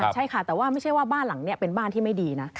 ใช่ค่ะแต่ว่าไม่ใช่ว่าบ้านหลังนี้เป็นบ้านที่ไม่ดีนะ